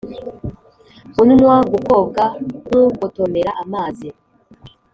unywa gukobwa nk’ugotomera amazi’